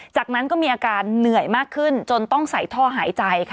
จากนั้นก็มีอาการเหนื่อยมากขึ้นจนต้องใส่ท่อหายใจค่ะ